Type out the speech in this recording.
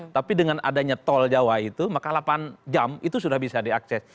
tapi dengan adanya tol jawa itu maka delapan jam itu sudah bisa diakses